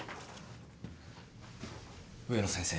植野先生